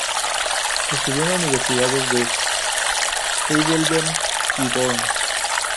Estudió en las Universidades de Heidelberg y Bonn.